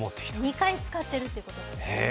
２回使っているということですね。